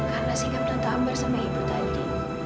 karena singgah bertentangan bersama ibu tadi